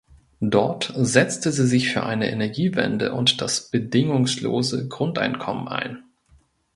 Dort setzte sie sich für eine Energiewende und das bedingungslose Grundeinkommen ein.